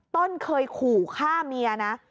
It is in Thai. เคยขู่ฆ่าเมียนะ